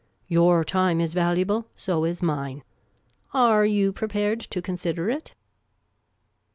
Your time is valuable. So is mine. Arc you prepared to consider it?"